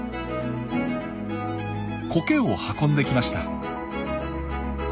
コケを運んできました。